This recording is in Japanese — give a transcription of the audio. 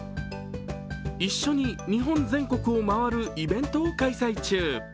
一緒に日本全国を回るイベントを開催中。